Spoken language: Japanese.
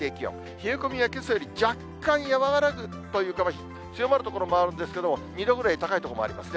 冷え込みはけさより若干和らぐというか、強まる所もあるんですけれども、２度ぐらい高い所もありますね。